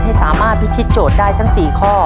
ให้สามารถพิธีโจทย์ได้ทั้ง๔ข้อ